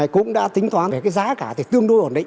cũng đã tính toán về giá cả tương đối ổn định